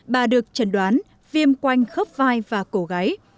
bà được trần đoán viêm quanh khớp vai và cổ gáy